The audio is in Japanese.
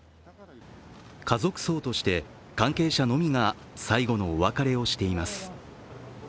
家族葬として関係者のみが最後のお別れをしています。